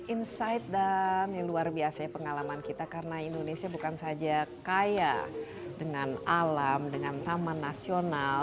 insight dan luar biasa ya pengalaman kita karena indonesia bukan saja kaya dengan alam dengan taman nasional